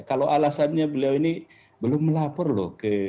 kalau alasannya beliau ini belum melapor loh